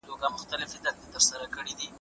کوم دلایل چي تاسو وړاندي کړل ډېر منلي دي.